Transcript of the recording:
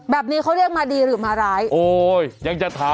แบบนี้เขาเรียกมาดีหรือมาร้าย